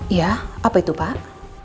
iya apa itu pak